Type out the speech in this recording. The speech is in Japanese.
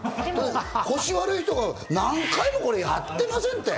腰悪い人が何回もこれやってませんって。